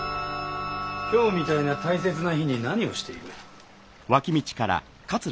今日みたいな大切な日に何をしている？